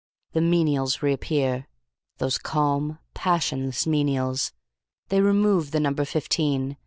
"The menials reappear. Those calm, passionless menials. They remove the number fifteen.